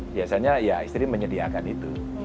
biasanya ya istri menyediakan itu